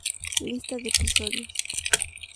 Lista de episodios